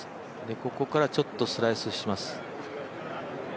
ここからちょっとスライスします。